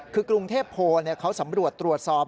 คือกรุงเทพโพเขาสำรวจตรวจสอบ